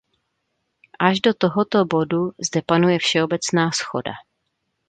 Až do tohoto bodu zde panuje všeobecná shoda.